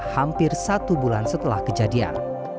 hampir satu bulan setelah kejadian